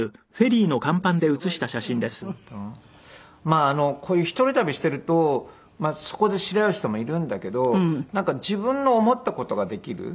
まあこういう一人旅しているとそこで知り合う人もいるんだけどなんか自分の思った事ができる。